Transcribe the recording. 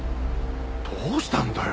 どうしたんだよ。